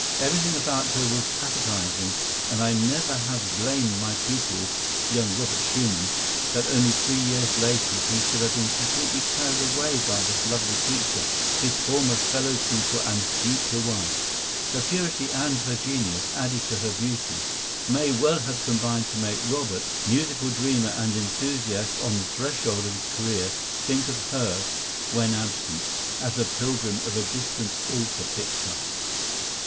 Everything about her was appetizing, and I never have blamed my pupil, young Robert Schumann, that only three years later he should have been completely carried away by this lovely creature, his former fellow pupil and future wife." Her purity and her genius, added to her beauty, may well have combined to make Robert, musical dreamer and enthusiast on the threshold of his career, think of her, when absent, "as a pilgrim of a distant altar picture."